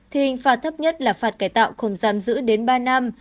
thì hình phạt thấp nhất là phạt cải tạo không giam giữ đến ba năm